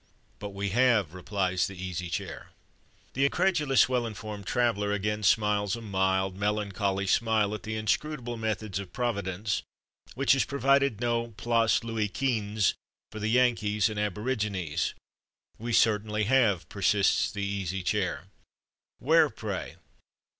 "But we have," replies the Easy Chair. The incredulous well informed traveller again smiles a mild, melancholy smile at the inscrutable methods of Providence, which has provided no Place Louis Quinze for the Yankees and aborigines. "We certainly have," persists the Easy Chair. "Where, pray?"